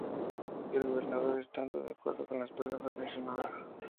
El gobernador, estando de acuerdo con las palabras, no hizo nada.